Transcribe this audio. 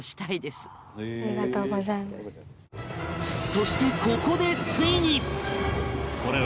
そしてここでついに